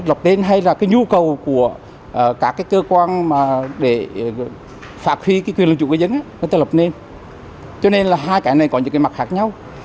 bởi vì hai cái này có những cái mặt khác nhau